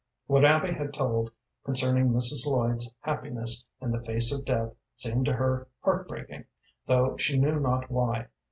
What Abby had told concerning Mrs. Lloyd's happiness in the face of death seemed to her heart breaking, though she knew not why.